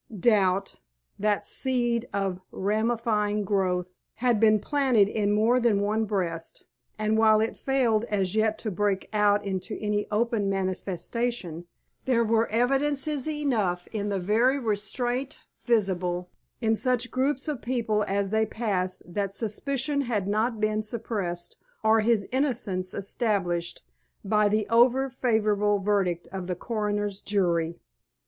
Doubt, that seed of ramifying growth, had been planted in more than one breast, and while it failed as yet to break out into any open manifestation, there were evidences enough in the very restraint visible in such groups of people as they passed that suspicion had not been suppressed or his innocence established by the over favourable verdict of the coroner's jury.